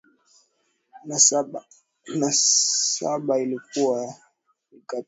na saba alikuwa wa piliKatika uchaguzi wa mwaka elfu mbili na mbili Kibaki